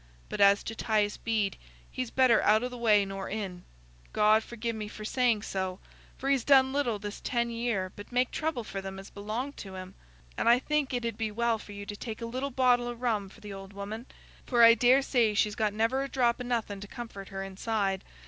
But as to Thias Bede, he's better out o' the way nor in—God forgi' me for saying so—for he's done little this ten year but make trouble for them as belonged to him; and I think it 'ud be well for you to take a little bottle o' rum for th' old woman, for I daresay she's got never a drop o' nothing to comfort her inside.